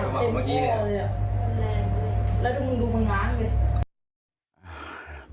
เต็มโค้งเลย